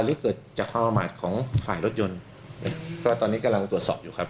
หรือเกิดจากความประมาทของฝ่ายรถยนต์ก็ตอนนี้กำลังตรวจสอบอยู่ครับ